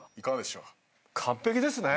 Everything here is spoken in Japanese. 完璧ですね。